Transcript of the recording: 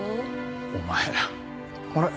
お前ら。あれ？